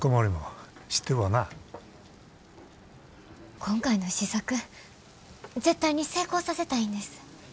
今回の試作絶対に成功させたいんです。